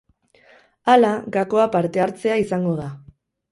Hala, gakoa partehartzea izango da.